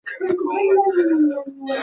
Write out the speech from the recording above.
په عملي زده کړه کې دوام د بریا کلید دی.